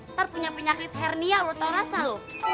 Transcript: ntar punya penyakit hernia lo tau rasa loh